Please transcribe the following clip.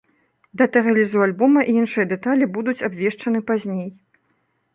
Дата рэлізу альбома і іншыя дэталі будуць абвешчаны пазней.